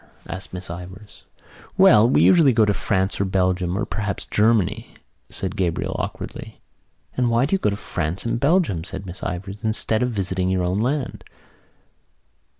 asked Miss Ivors. "Well, we usually go to France or Belgium or perhaps Germany," said Gabriel awkwardly. "And why do you go to France and Belgium," said Miss Ivors, "instead of visiting your own land?"